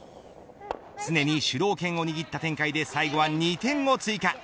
常に主導権を握った展開で最後は２点を追加。